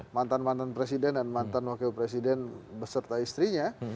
mantan mantan presiden dan mantan wakil presiden beserta istrinya